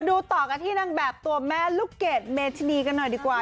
ดูต่อกันที่นางแบบตัวแม่ลูกเกดเมธินีกันหน่อยดีกว่า